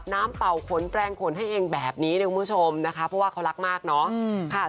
เป่าขนแปลงขนให้เองแบบนี้เนี่ยคุณผู้ชมนะคะเพราะว่าเขารักมากเนาะค่ะ